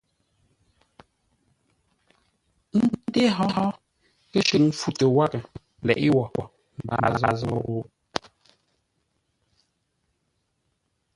Ńté hó kə́shʉŋ pfutə́ wághʼə leʼé wo mbaa zou?